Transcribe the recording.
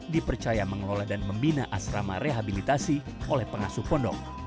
dipercaya mengelola dan membina asrama rehabilitasi oleh pengasuh pondok